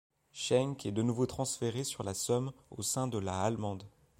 Schenk est de nouveau transféré sur la Somme au sein de la allemande.